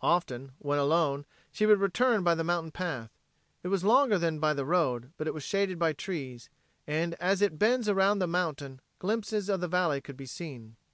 Often, when alone, she would return by the mountain path. It was longer than by the road, but it was shaded by trees, and as it bends around the mountain glimpses of the valley could be seen.